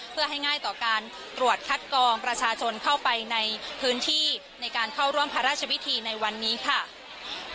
เพื่อให้ง่ายต่อการตรวจคัดกองประชาชนเข้าไปในพื้นที่ในการเข้าร่วมพระราชพิธีในวันนี้ค่ะ